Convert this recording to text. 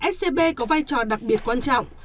scb có vai trò đặc biệt quan trọng